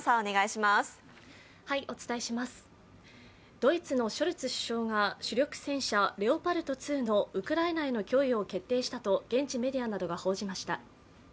ドイツのショルツ首相が主力戦車レオパルト２のウクライナへの供与を決定したと現地メディアなどが報じました。